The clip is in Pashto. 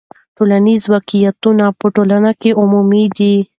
ټولنیز واقعیتونه په ټولنه کې عمومي دي.